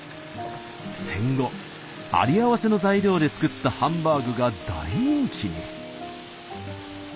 戦後有り合わせの材料で作ったハンバーグが大人気に。